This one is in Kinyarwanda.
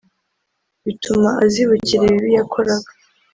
bituma azibukira ibibi yakoraga